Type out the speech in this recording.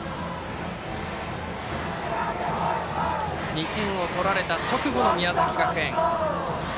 ２点を取られた直後の宮崎学園。